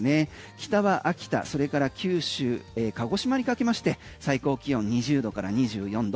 北は秋田、それから九州へ鹿児島にかけまして最高気温２０度から２４度。